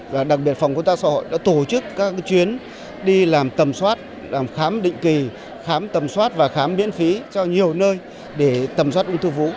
và đặc biệt phòng công tác xã hội đã tổ chức các chuyến đi làm tầm soát làm khám định kỳ khám tầm soát và khám miễn phí cho nhiều nơi để tầm soát ung thư vú